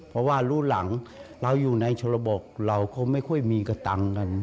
เพราะว่ารู้หลังเราอยู่ในชรบกเราเขาไม่ค่อยมีกระตังค์กัน